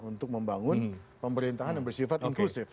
untuk membangun pemerintahan yang bersifat inklusif